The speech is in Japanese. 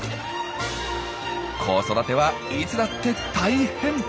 子育てはいつだって大変。